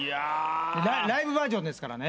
ライブバージョンですからね。